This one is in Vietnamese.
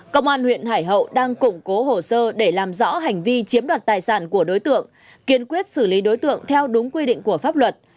công an huyện hải hậu đang củng cố hồ sơ để làm rõ hành vi chiếm đoạt tài sản của đối tượng kiên quyết xử lý đối tượng theo đúng quy định của pháp luật